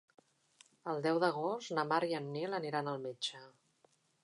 El deu d'agost na Mar i en Nil aniran al metge.